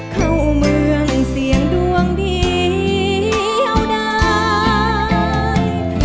เข้าเมืองเสียงดวงดีเยาวดาย